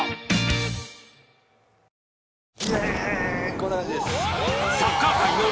こんな感じです